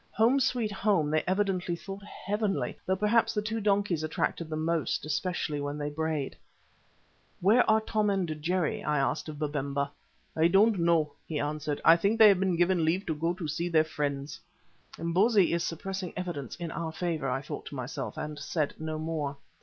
"Home, Sweet Home" they evidently thought heavenly, though perhaps the two donkeys attracted them most, especially when these brayed. "Where are Tom and Jerry?" I asked of Babemba. "I don't know," he answered; "I think they have been given leave to go to see their friends." Imbozwi is suppressing evidence in our favour, I thought to myself, and said no more.